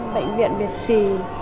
bệnh viện việt trì